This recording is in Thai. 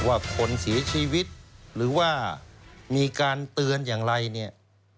ว่าคนเสียชีวิตหรือว่ามีการเตือนอย่างไรเนี่ย